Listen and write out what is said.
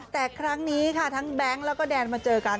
แต่ครั้งนี้ค่ะทั้งแบงค์แล้วก็แดนมาเจอกัน